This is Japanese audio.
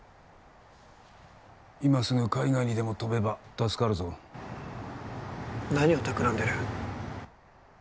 今すぐ海外にでも飛べば助かるぞ何をたくらんでる？